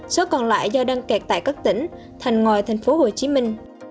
số còn lại do đang kẹt tại các tỉnh thành ngoài thành phố hồ chí minh